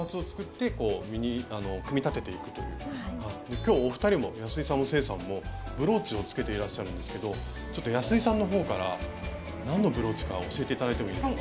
きょうお二人も安井さんも清さんもブローチをつけていらっしゃるんですけど安井さんのほうから何のブローチか教えていただいてもいいですか。